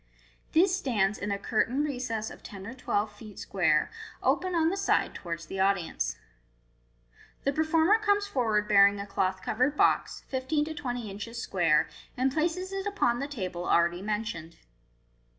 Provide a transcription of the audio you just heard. This stands in a curtained recess of ten or twelve feet square, open on the side towards the audience. The performer comes forward bearing a cloth covered box, fifteen to twenty inches square, and places it upon the table already mentioned.